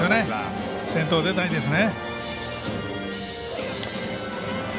先頭、出たいですね。